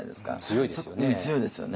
強いですよね。